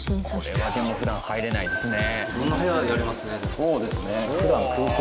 これはでも普段入れないですね。